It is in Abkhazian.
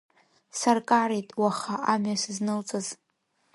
Саркареит уаха амҩа сызнылҵаз.